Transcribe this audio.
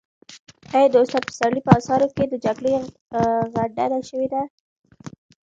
آیا د استاد پسرلي په اثارو کې د جګړې غندنه شوې ده؟